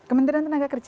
kementerian tenaga kerja